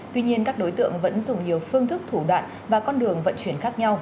tuy nhiên các đối tượng vẫn dùng nhiều phương thức thủ đoạn và con đường vận chuyển khác nhau